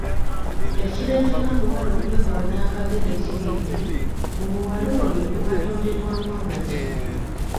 Ekireetera omuwala okwekoona akagere kiri nti, mu muwala oyo mwatonderwamu amagi